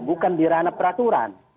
bukan di ranah peraturan